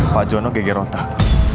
pak jono gg rotak